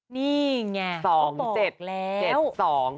นี่ไง๒๗๒